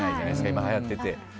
今、はやってて。